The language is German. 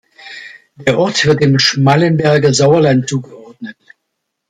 Der Ort wird dem Schmallenberger Sauerland zugeordnet.